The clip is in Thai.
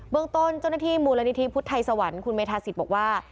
เมืองต้นเจ้าหน้าที่มูลนิธิพุทธไทยสวรรค์คุณเมธาศิษย์บอกว่า